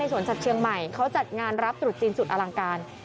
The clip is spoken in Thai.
สวนสัตว์เชียงใหม่เขาจัดงานรับตรุษจีนสุดอลังการ